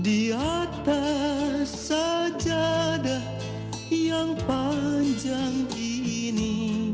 di atas sajadah yang panjang ini